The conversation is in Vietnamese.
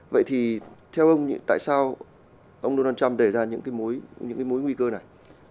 vậy thì tại sao ông donald trump đề ra những mối nguy cơ này